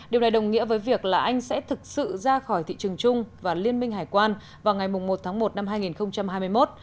điều này đồng nghĩa với việc là anh sẽ thực sự ra khỏi thị trường chung và liên minh hải quan vào ngày một tháng một năm hai nghìn hai mươi một